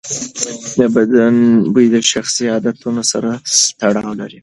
د بدن بوی د شخصي عادتونو سره تړاو لري.